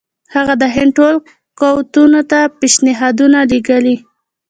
هغه د هند ټولو قوتونو ته پېشنهادونه لېږلي.